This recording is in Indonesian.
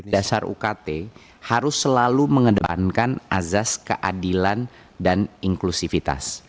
dasar ukt harus selalu mengedepankan azas keadilan dan inklusivitas